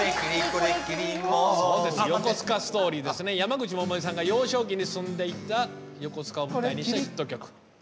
山口百恵さんが幼少期に住んでいた横須賀を舞台にしたヒット曲。